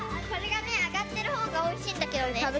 これが上がってるほうがおいしいんだけどね。